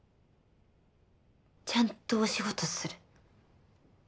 ちゃんとお仕事する。